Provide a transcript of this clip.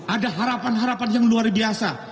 ada harapan harapan yang luar biasa